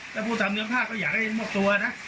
แล้วผู้ทำเนื้อผ้าก็อยากให้มอบตัวนะ